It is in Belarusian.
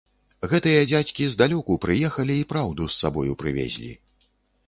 Гэтыя дзядзькі здалёку прыехалі і праўду з сабою прывезлі.